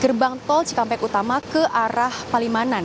gerbang tol cikampek utama ke arah palimanan